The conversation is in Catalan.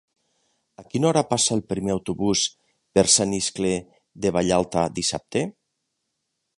A quina hora passa el primer autobús per Sant Iscle de Vallalta dissabte?